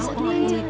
gak bisa dibelanjain